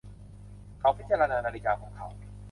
เขาพิจารณานาฬิกาของเขา